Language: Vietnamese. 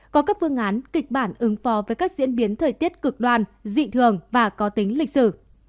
có các phương án kịch bản ứng phó với các diễn biến thời tiết cực đoan dị thường và có tính lịch sử